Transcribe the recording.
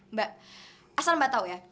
mbak asal mbak tahu ya